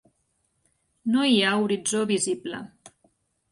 No hi ha horitzó visible.